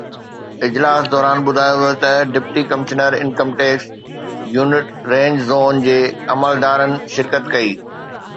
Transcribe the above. اجلاس دوران ٻڌايو ويو ته deputy commissioner income tax unit range zone جي عملدارن شرڪت ڪئي